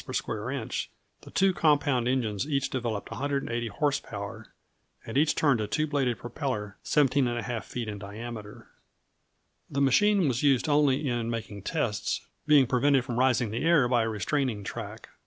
per square inch, the two compound engines each developed 180 horse power, and each turned a two bladed propeller 17½ feet in diameter. The machine was used only in making tests, being prevented from rising in the air by a restraining track.